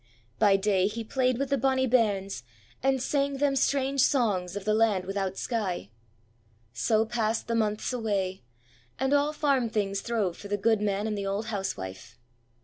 By day he played with the bonny bairns, and sang them strange songs of the land without sky. So passed the months away, and all farm things throve for the goodman and the old housewife.